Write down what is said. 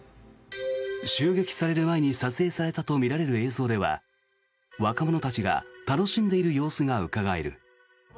襲撃される前に撮影されたとみられる映像には若者たちが楽しんでいる様子がうかがえる。